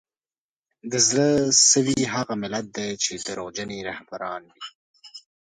د زړه سوي هغه ملت دی چي دروغجن یې رهبران وي